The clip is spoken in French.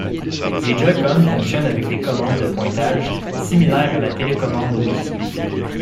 Les Joy-Con fonctionnent avec des commandes de pointage similaire à la télécommande Wii.